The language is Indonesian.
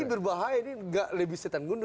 ini berbahaya ini nggak lebih setan gundul